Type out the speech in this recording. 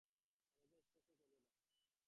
আমাকে স্পর্শ করবে না।